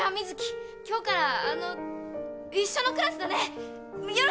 今日からあの一緒のクラスだねよろしく！